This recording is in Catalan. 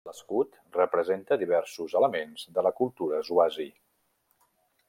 L'escut representa diversos elements de la cultura swazi.